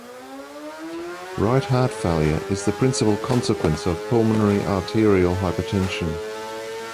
Right heart failure is the principal consequence of pulmonary arterial hypertension.